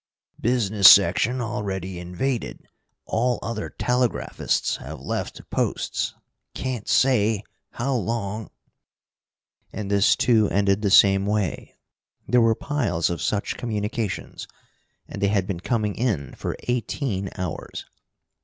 "Business section already invaded. All other telegraphists have left posts. Can't say how long " And this, too, ended in the same way. There were piles of such communications, and they had been coming in for eighteen hours.